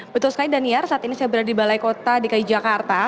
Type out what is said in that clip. betul sekali daniar saat ini saya berada di balai kota dki jakarta